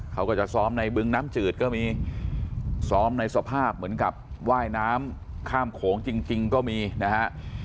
เขาก็จะซ้อมในบึงน้ำจืดก็มีซ้อมในสภาพเหมือนกับว่ายน้ำข้ามโขงจริงก็มีนะฮะ